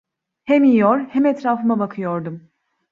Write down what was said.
Hem yiyor, hem etrafıma bakıyordum.